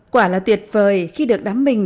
quả là tuyệt vời khi được đám mình